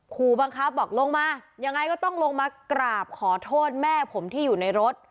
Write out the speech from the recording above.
ขู่บังคับบอกลงมายังไงก็ต้องลงมากราบขอโทษแม่ผมที่อยู่ในรถ